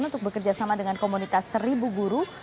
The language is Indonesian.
untuk bekerjasama dengan komunitas seribu guru